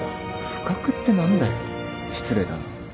不覚って何だよ失礼だな。